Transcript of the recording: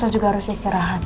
masa juga harus istirahat